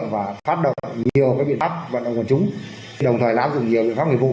và phát động nhiều biện pháp vận động của chúng đồng thời lãm dụng nhiều biện pháp người vụ